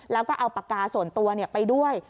แล้วก็เอาปากกาส่วนตัวไปด้วย